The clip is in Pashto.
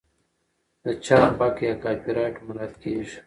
د چاپ حق یا کاپي رایټ مراعات کیږي.